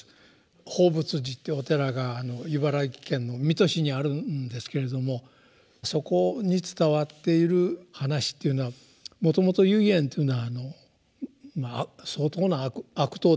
報佛寺っていうお寺が茨城県の水戸市にあるんですけれどもそこに伝わっている話っていうのはもともと唯円というのは相当な悪党だったそうです。